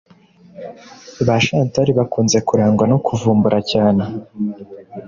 Ba Chantal bakunze kurangwa no kuvumbura cyane